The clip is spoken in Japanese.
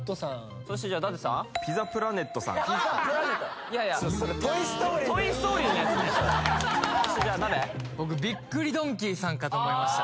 それじゃなべ僕びっくりドンキーさんかと思いました